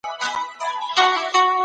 ما خپل مسؤليت په ښه توګه ترسره کړ.